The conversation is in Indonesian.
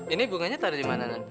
ini bunganya taruh dimana non